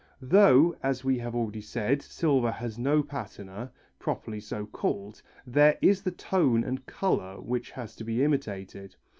Though, as we have already said, silver has no patina properly so called, there is the tone and colour which has to be imitated.